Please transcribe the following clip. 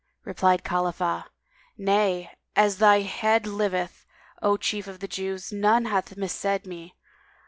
Replied Khalifah, "Nay, as thy head liveth, O chief of the Jews, none hath missaid me.